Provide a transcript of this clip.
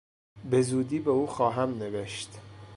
به زودی به او خواهم نوشت.